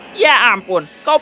kami akan menemukan telurmu